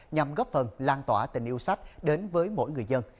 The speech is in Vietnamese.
nhằm góp phần lan tỏa tình yêu sách đến với mỗi người dân